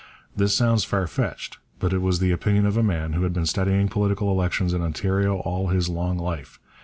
This sounds far fetched, but it was the opinion of a man who had been studying political elections in Ontario all his long life.